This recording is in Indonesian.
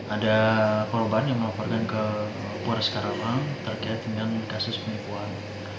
ada korban yang melaporkan ke polres karawang terkait dengan kasus penipuan